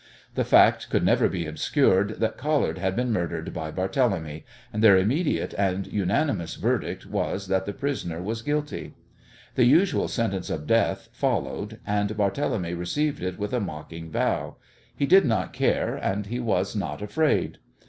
The fact could never be obscured that Collard had been murdered by Barthélemy, and their immediate and unanimous verdict was that the prisoner was guilty. The usual sentence of death followed, and Barthélemy received it with a mocking bow. He did not care, and he was not afraid.